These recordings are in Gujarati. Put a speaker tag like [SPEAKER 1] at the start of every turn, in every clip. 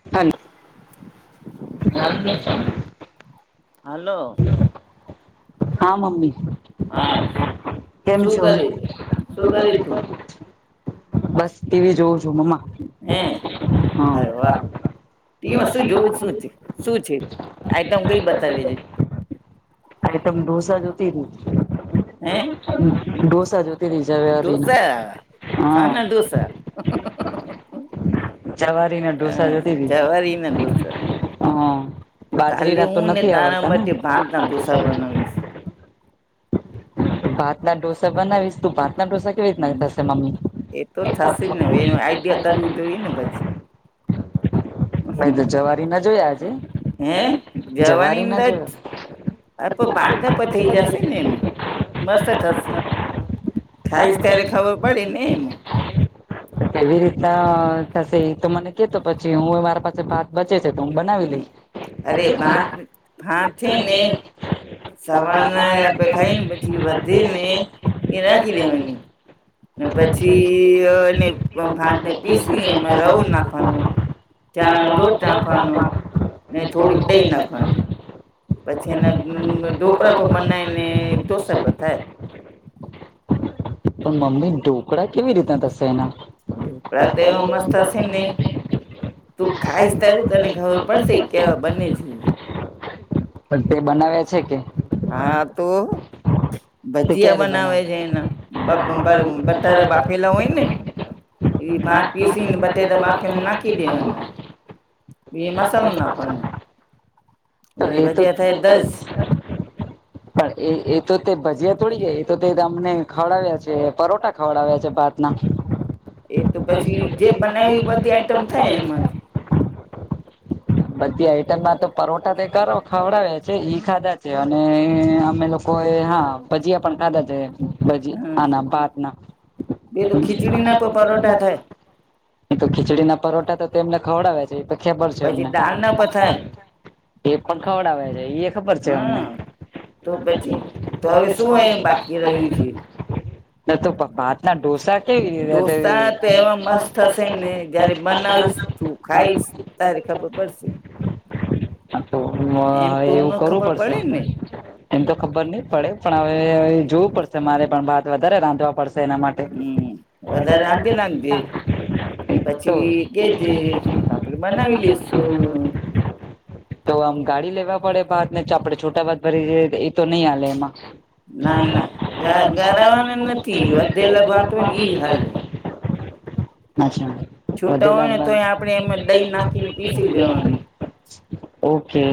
[SPEAKER 1] [inaudible]
[SPEAKER 2] હલો.
[SPEAKER 1] હા મમ્મી. કેમ છો? બસ ટીવી જોવં છું મમ્મા. હા.
[SPEAKER 2] ટીમાં શું જોવ છું શું છે આઈટમ કઈ બતાવે છે?
[SPEAKER 1] આઇટમ ઢોસા જોતીતી.
[SPEAKER 2] હે, ઢોંસા. શાના ઢોંસા? હ જવારીના ઢોંસા. તો કાલે હું ને તારા માટે ભાતના ઢોસા બનાવીશ.
[SPEAKER 1] ભાતના ઢોસા બનાવીશ તું. ભાત નાઢોસા કેવી રીતના થશે મમ્મી?
[SPEAKER 2] એ તો થશે જ ને, એ આઈડિયા કરવી જોઈએ ને પછી. હમ. હૈ જવાની ગજ? હા તો ભાત પણ થઈ જશે ને એમાં. મસ્ત થશે.
[SPEAKER 1] [inaudible] કેવી રીતના થશે એ તો મને કેતો પછી હું મારા પાસે ભાત બચે છે તો હું બનાવી લઈશ.
[SPEAKER 2] અરે ભા ભાત છેને સવારના આપે ખાઈએને પછી વધેને, એ રાખી લેવાની. ને પછી એને ભાતને પીસી એમાં રવો નાખવાનો. ચણાનો લોટ નાખવાનો ને થોડીક દહી નાખવાની. પછી એને ઢોકળા પણ બનાયને ઢોસા પણ થાય.
[SPEAKER 1] પણ મમ્મી ઢોકળ કેવી રીત એના. [inaudible] પણ તે બનાવ્યા છે કે. ક્યારે બનાવ. [inaudible] [inaudible] [inaudible] પણ એ એ તો તે ભજીયા થોડી છે એ તો તે અમને ખવડાવ્યા છે પરોઠા ખવડાવ્યા છે ભાત [inaudible] બધી આઈટમ માં તો પરોઠા તે કરો ખવડાવે ખાધા છે અને અમે લોકો એ હા ભજીયા પણ ખાધા છે ભજી ના ના ભાત ના. તો ખીચડી ના પરોઠા તે અમને ખવડાવ્યા છે એ તો ખેબર છે એમને. એ પણ ખવડાવ્યા છે. ખબર છે અમને [unintelligible] ના તો ભાતના ઢોસા કેવી રી [inaudible]
[SPEAKER 2] ત્યારે ખબર પડશે.
[SPEAKER 1] હા તો હવે એવું કરવું પડશે. એમ તો ખબર નહી પડે પણ હવે જોવું પડશે મારે પણ ભાત વધારે રાંધવા પડશે એના માટે [inaudible]
[SPEAKER 2] પછી કે જે આપડે બનાવી લઈશું.
[SPEAKER 1] તો આમ ગાડી લેવા પડે ભાત ને આપણેે છોટા ભાત ભરી જઈએ એ તો નહી હાલે એમાં. [inaudible] અચ્છા. ઓકે.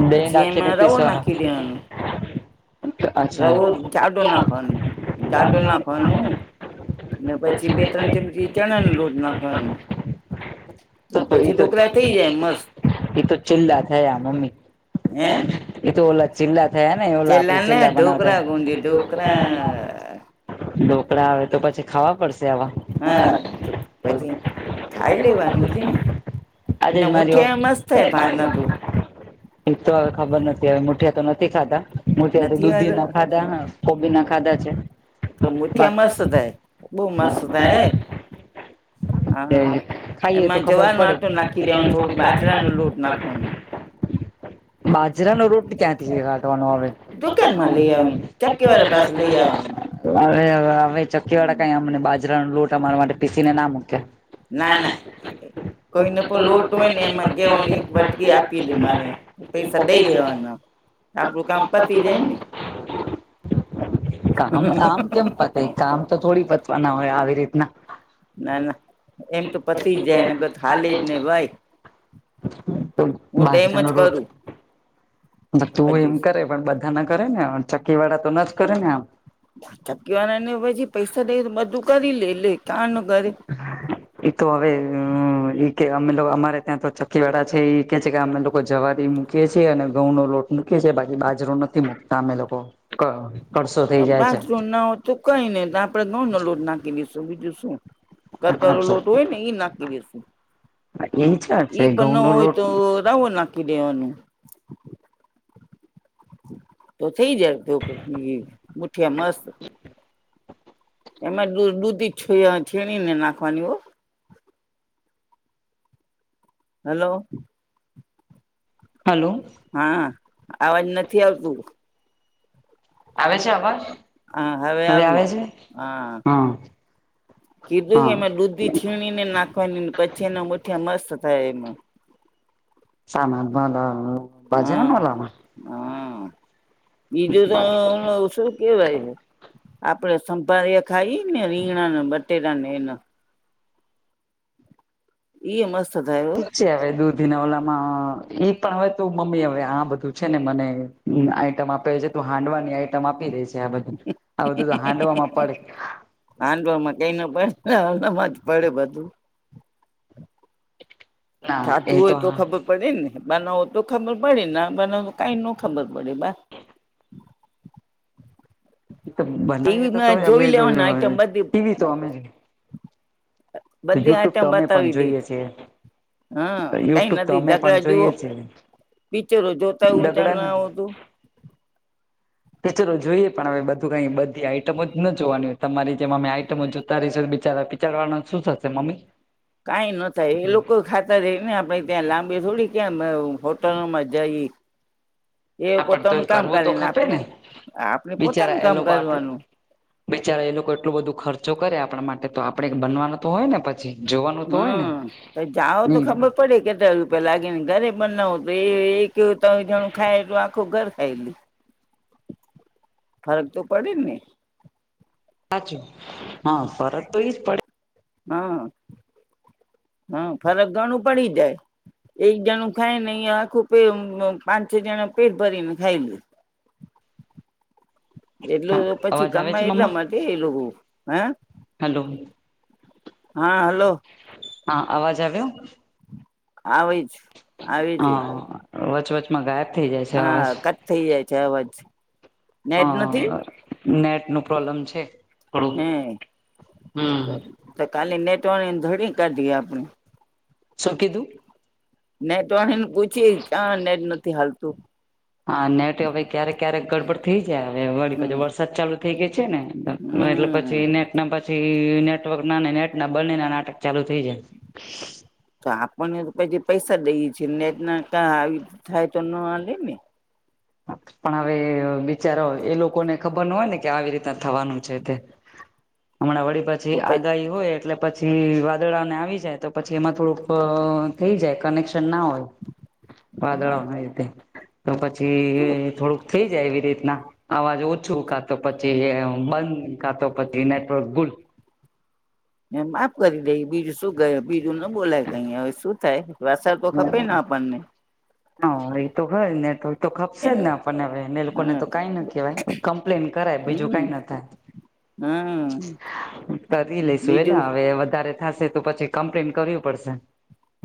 [SPEAKER 1] [unintelligible] નાખીને પીસવા
[SPEAKER 2] રવો જાડો નાખવાનો જાડો નાખવાનો. ને પછી બે ત્રણ ચમચી ચણા ન લોટ નાખવાનું.
[SPEAKER 1] તો તો એ તો એ તો છેલ્લા થયા મમ્મી એ તો ઓલા ચિલ્લા થયા ને ઓલા આપડે ચિલ્લા [unintelligible] ઢોકળા આવે તો પછી ખાવા પડશે આવા.
[SPEAKER 2] ખાઈ લેવાનું મુઠિયામાં મસ્ત થાય [unintelligible]
[SPEAKER 1] એક તો હવે ખબર નથી હવે મુઠિયા તો નથી ખાધા મુઠિયા તો દૂધી ના ખાધા હ કોબી ના ખાધા છે.
[SPEAKER 2] તો મુઠિયા મસ્ત થાય બહુ મસ્ત થાય
[SPEAKER 1] ખાઈએ તો ખબર પડે. [inaudible] બાજરાનો લોટ ક્યાંથી [unintelligible] આવે હવે હવે ચક્કી વાળા કઈ અમને બાજરા ન લોટ અમારા માટે પીસીને ના મૂકે. [inaudible] [unintelligible] કામ તો થોડી પતવાના હોય આવી રીતના
[SPEAKER 2] ના ના એમ તો પતી જ જાય [unintelligible] હાલેને ભાઈ હું તો એમજ કરું.
[SPEAKER 1] તું એમ કરે પણ બધા ના કરે ને ચક્કી વાળા તો ન જ કરે ને આમ.
[SPEAKER 2] ચકી વાળા ને પછી પૈસા દઈ તો બધું કરી લે લે કા ન કરે.
[SPEAKER 1] [inaudible] તો હવે કે અમે અમારે ત્યાં તો ચકી વાળા છે કે છે કે અમને લોકો જવા દ મૂકે છે અને ઘઉં નો લોટ મૂકે છે બાકી બાજરો નથી મુકતા અમે લોકો ક ખસો થઈ જાય છે.
[SPEAKER 2] તો કઈ નઈ આપડે ઘઉં નો લોટ નાખી દઈશું બીજું શું. કરકો લોટ હોય ને એઈ નાખી દેસું. એ પન ન હોય તો રવો નાખી દેવાનું તો થઇ જાય [unintelligible] મુઠિયા મસ્ત એમાં દૂધી છ છેણી ને નાખવાની હો. હલો
[SPEAKER 1] હલો
[SPEAKER 2] હા અવાજ નથી આવતું
[SPEAKER 1] આવે છે આવાજ
[SPEAKER 2] હા હવે આવ્યું હા કીધું કે અમે દૂધી છીણ ની ને નાખવાની પછી એનો મુઠિયા મસ્ત થાય એમાં
[SPEAKER 1] સામાન મલ બાજારનું મલામાં
[SPEAKER 2] હ ઈ જો [unintelligible] કેવાય હ આપડે સંભાર ખાઈ ને રીણાને બટેકા ને એનો એઈ મસ્ત થયો
[SPEAKER 1] છે હવે દૂધીના ઓલામાં ઈ પણ હવે તો મમ્મી હવે આ બધું છે ને મને આઈટમ આપે છે તું હાંડવાની આઈટમ આપી રહી છે આ બધું આ બધું તો હાંડવામાં પડે
[SPEAKER 2] હાંડવાવામાં કઈ ના પડે હમાં જ પડે બધું ખાતું હોય તો ખબર પડે ને બનાવો તો ખબર પડેને બનાવ તો કઈ ન ખબર પડે બા
[SPEAKER 1] બનાવી તો તોય અમ ટીવી તો અમે
[SPEAKER 2] બધી આઈટમ બતાવી દે. હા કઈ નથી ધકડા જુઓ પિક્ચરો જોતાય જ ન આવ તું.
[SPEAKER 1] પીચલો જોઈએ પણ હવે બધું કઈ બધી આઈટમો જ ન જોવાની હો તમારી જેમ અમે આઈટમો જોતા રહીશે બિચાર બિચારવાળનું શું થશે મમ્મી.
[SPEAKER 2] કઈ નાય થાય એ લોકો ખાતર રહી ને આપડ ત્યાં લાંબી થોડી કયા હોટલમાં જાયી એ પોતાનું કામ કરેને આપણે આપણેે પોતાનું કામ કરવાનું
[SPEAKER 1] બિચારા એ લોકો એટલોું બધું ખર્ચો કરે આપણા માટે તો આપણેે બનવાનો તો હોય ને પછી
[SPEAKER 2] હમ્મ તો જાઓ તો ખબર પડે કેટલા રૂપિયા લાગેને ઘરે બનાવું તો એ એવું ત્ર જણું ખાય એટલું આખું ઘર ખાયલું
[SPEAKER 1] [inaudible]
[SPEAKER 2] ફરક તો પડે ને
[SPEAKER 1] સાચો હા ફરત તો એઈજ પડે.
[SPEAKER 2] હા હા ફરક ઘણું પડી જાય. એક જણું ખાય ને અહીંયા આખું પ પાંચ છ જણા પેટ ભરી ને ખાય લ. એટલું પછી કમા એટલા માટે એ લોકો હ.
[SPEAKER 1] હલો
[SPEAKER 2] હા હલો
[SPEAKER 1] હા અવાજ આવ્યો
[SPEAKER 2] આવી જ આવે છે
[SPEAKER 1] વચવચમાં ગાયબ થઇ જાય છે આવાજ.
[SPEAKER 2] થઈ જાય છે અવાજ
[SPEAKER 1] હ નેટ નું પ્રોબ્લમ છે થોડુંક હમ્મ
[SPEAKER 2] ત કાલી નેટવાણીને થોડી કાઢીએે આપણે
[SPEAKER 1] શું કીધું
[SPEAKER 2] ને તો એને પૂછી ક્યા નેટ નથી હાલતું
[SPEAKER 1] હા નેટ ભાઈ ક્યારેક ક્યારેક ગડબડ થઈ જાય હવે વળી પાછુ વરસાદ ચાલુ થઇ ગયો છે ને એટલે પછી નેટ ના પછી નેટવર્ક ના નેટ ના બનેન્ નાટક ચાલુ થઈ જાય
[SPEAKER 2] તો આપણેને તો પછી પૈસા દઈએ છીએ ને ક આવી થાય તો ન લે ને
[SPEAKER 1] પણ હવે બિચારો એ લોકોને ખબર ન હોય ને કે આવી રીતના થવાનું છે તે હમણાં વડી પછી આગાહી હોય એટલે પછી વાદળાને આવી જાય તો પછી એમાં થોડુંક થઈ જાય કનેક્શન ના હોય વાદળો ના રીતે તો પછી પછી થોડુંક થઈ જાય એવી રીતના અવાજ ઓછું કાતો પછી બંધ ખાતો પછી નેટવર્ક ગુલ
[SPEAKER 2] એ માફ કરી દઈ બીજું શું ગય બીજું ના બોલાય કઈ હવે શું થાય વસર તો ખપે આપપણને
[SPEAKER 1] હા એ તો ખરી નેટવર્ક તો ખપશે જ ને આપણને હવે એને લોકોને તો કઈ ન કહેવાય કમ્પ્લેન કરાય બીજું કઈ ન થાય તરી લઈશુ એલા હવે વધારે થશે તો પછી કમ્પ્લેન કરવી પડશે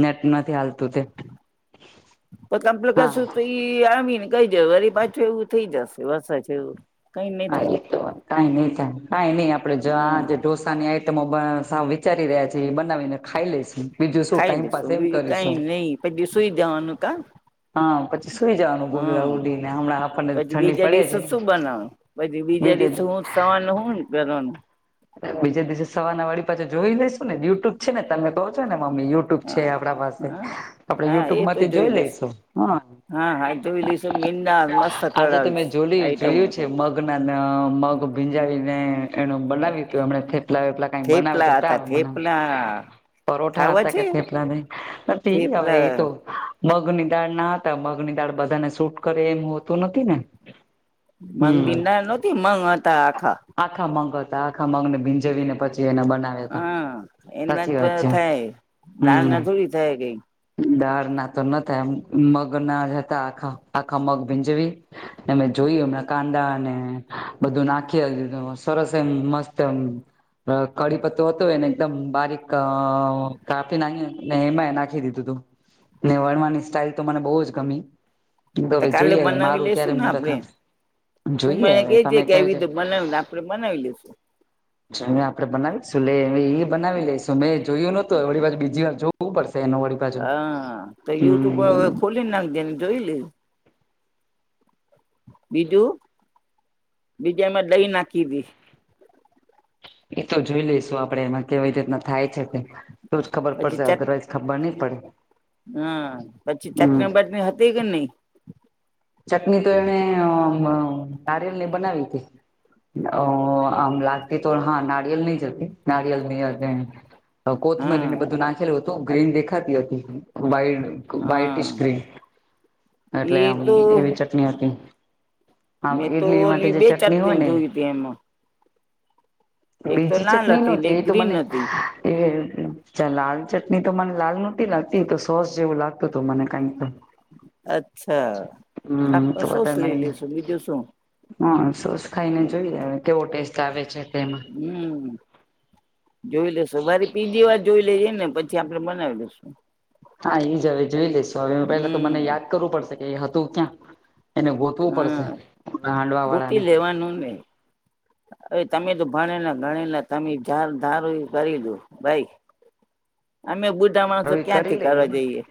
[SPEAKER 1] નેટ નથી હાલત
[SPEAKER 2] [inaudible] ક સુું તોય આવીમી ને કઈ જ વરી પાછો એવું થઈ જશે વરસા છે એવું
[SPEAKER 1] હા એ તો કઈ નઈ થાય કઈ નઈ આપડે જો આ ઢોસા ય સા વિચારી રહ્યા છે એ બનાવીને ખાઈ લઈશું બીજું શું ટાઈમપાસ એમ કરીશું
[SPEAKER 2] પછી સુઈ જેવાનું કા
[SPEAKER 1] હા પછી સુઈ જવાનું બોલવા ઉડી ને હમણાં આપણને ઠંડી પડે છે
[SPEAKER 2] પછી બીજા દિવસે હું સવાર ન હુન કરવાનુ
[SPEAKER 1] બીજે દિવસે સવારના વાળી પાછા જોઈ લઈેશું ને યુટ્યુબ છે ને તમે કહો છો ને મમ્મી યુટ્યુબ છે આપડા પાસે આપડે યુટ્યુબ માંથી જોઈ લઈશું હા
[SPEAKER 2] હા હા જોઈ લઈશ મીંદ મસ્ત અ ખડાવીશ આઈટમ
[SPEAKER 1] ગ મગ ભીંજાવીને એનું બનાવી હમ થેટલા વેટલા કઈ બનાવે તો ચાવ મ પરોઠા હતા કે પટલાને નથી હવે એ તો મગની દાળ ના હતા મગની દાળ બધાને સૂટ કરે એમ હોતું નથી ને
[SPEAKER 2] મગ દિનાર નથીતી મગ હતા આખા
[SPEAKER 1] આખા મગ હતા આખા મગને બીજવી ને પછી એને બનાવ ત સાચી વાત છે
[SPEAKER 2] દાડ ના થોડી થાય કઈ
[SPEAKER 1] દાળ ના તો ન થાયમ મગ ના જ હતા આખા આખા મગ ભીંજવી મેમે જોયું એમણા કાંદા ને બધું નાખી સરસ એમ મસ્ત તમ કડી પત્તું હતું એને એકદમ બારીક કાપી નાખી ને એમાં એ નાખી દીધું તું ને વણવાની સ્ટાઈઇલ તો મને બહુ જ ગમી તો જોઈએ હવે મારું ક્યારે મુર્ત જોઈએ હવે તમે ક છે
[SPEAKER 2] આપડે મનાવી લઈશું
[SPEAKER 1] મે આપડે બનાવીશું લે એ બનાવી લઈશું મેં જોયું ન તોય વળીજ બીજી વાર જોવું પડશે એનોળ
[SPEAKER 2] હા તો યુટ્યુબ ખોલી નાખ દેને જોઈ લે બીજું બીજું એમે દહી નાખી દી
[SPEAKER 1] એતો જોઈ લઈશું આપડે એમાં કેવી રીતના થાય છે કે તો જ ખબર પડશે અદરવાઈઝ ખબર નહી પડે
[SPEAKER 2] હમ પછી ચટણી બટની હતી કે નહી
[SPEAKER 1] ચટણી તો એને નારીયલની બનાવી હતી અ આમ લાગતી તો હા નારીયલ નહી જતી નારીયલ નહી કોથમરીને બધું નાખેલું હતું ગ્રીન દેખાતી હતી વાઇટ વટ્રી એટલે આમ એવી ચટણી હતી. આમ ઇડલી માટે જે ચટણી હોય ને. બીજી ચટણી ન છે એ તો મને એ લાલ ચટણી તો મને લાલ મોટી લાગતી તો સોસ જેવું લાગતું હતું મને કઈક.
[SPEAKER 2] અચ્છા તો આપ શું લઈ લઈશું બીજું શું.
[SPEAKER 1] હા સોસ ખાઈને જોઈએવે કેવો ટેસ્ટ આવે છે તેમાં.
[SPEAKER 2] હમ જોઈ લેસવારી બીજી વાત જોઈ લેજે ને પછી થી આપડણે બનાવી લશું.
[SPEAKER 1] હા એ જ હવે જોઈ લઈેશું હવે પેલા તો મને યાદ કરવું પડશે કે હતું ક્યાં. એને ગોતવું પડશે હાંડવા વાળા ને.
[SPEAKER 2] [inaudible]
[SPEAKER 1] [inaudible]
[SPEAKER 2] અવે તમે તો ભણેલા ગણેને તમે જાર ધારું કરી દો ભાઈ. અમે બુધા માણસો ક્યાંથી કરવા જઈએ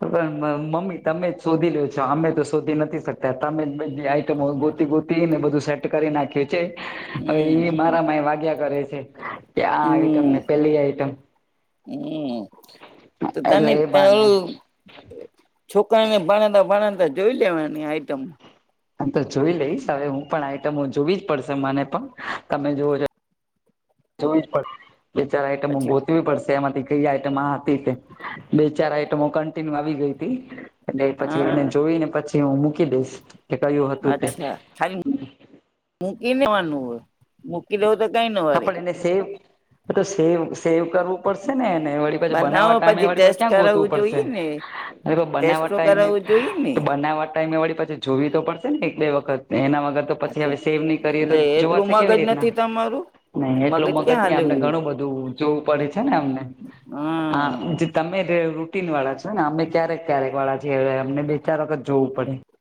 [SPEAKER 1] પણ મમ્મી તમે જ શોધી લ્યો છો અમે તો શોધી નથી શકતા તમે બી આઈટમો ગોતી ગો ને બધું સેટ કરી નાખ્યું છે. હવે એ મારામાં એ વાગ્યા કરે છે કે આ આઈટમ ને પેલી આઈટમ
[SPEAKER 2] હમ તો તમે [unintelligible] છોકરાને ભણેતા ભણતા જોઈ લેવાની આઈટમ.
[SPEAKER 1] આમ તો જોઈ લઈશ હવે હું પણ આઈટમો જોવી જ પડશે મને પણ તમે જોવો જોવી જ પડશે બે ચાર આઈટમો ગોતવી પડશે એમાંથી કઈ આઈટમ આ બે ચાર આઈટમો કન્ટિન્યુ આવી ગઈ હતી એટ પછી એ જોઈ પછી હું મૂકી દઈશ કે કયું હતું તે.
[SPEAKER 2] મૂકી નનેવાનું હોય મૂકી દેવું તો કઈ નવારે.
[SPEAKER 1] સેવ તો સેવ સેવ કરવું પડશે ને વાળી પાછ બનાવ ટામે વાળ પાછ ક્યાં ગોતવું પડશે બનાવ ટાઈ
[SPEAKER 2] જોઈએ ને
[SPEAKER 1] ટાઈમવાળી પછી જોવી તો પડશે ને એક બે વખત એના વખત તો પછી હવે સેવ નહી કરીએ તો જોવાશે કેવી રીતના.
[SPEAKER 2] તમારું
[SPEAKER 1] નહી એટલું મગજ નહી અમને ઘણું બધું જોવું પડે છે ને અમને આ તમે રૂટીન વાળા છો ને અમે ક્યારેક ક્યારેક વાળા છએ અમને બે ચાર વખત જોવું પડે.